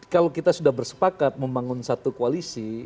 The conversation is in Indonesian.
kalau kita sudah bersepakat membangun satu koalisi